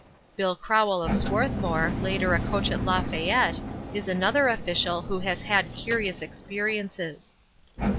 Bill Crowell of Swarthmore, later a coach at Lafayette, is another official who has had curious experiences.